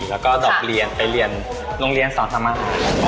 แล้วก็ดอกเรียนไปเรียนโรงเรียนสอนทำอาหาร